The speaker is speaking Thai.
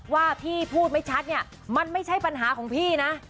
ว่าพี่พูดไม่ชัดเนี่ยมันไม่ใช่ปัญหาของพี่นะ